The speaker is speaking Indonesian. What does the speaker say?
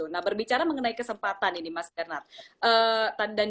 nah berbicara mengenai kesempatan ini mas bernard